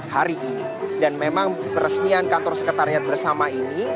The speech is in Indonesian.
hari ini dan memang peresmian kantor sekretariat bersama ini